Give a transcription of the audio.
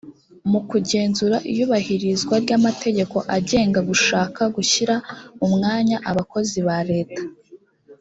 mu kugenzura iyubahirizwa ry amategeko agenga gushaka gushyira mu myanya abakozi ba leta